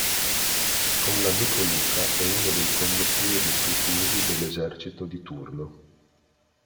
Con l'amico Luca è uno dei condottieri rutuli dell'esercito di Turno.